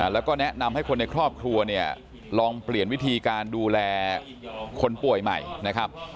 แล้วก็แนะนำให้คนในครอบครัวเนี่ยลองเปลี่ยนวิธีการดูแลคนป่วยใหม่นะครับ